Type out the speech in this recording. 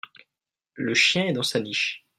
le chien est dans sa niche.